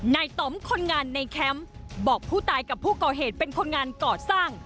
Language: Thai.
ต่อมคนงานในแคมป์บอกผู้ตายกับผู้ก่อเหตุเป็นคนงานก่อสร้าง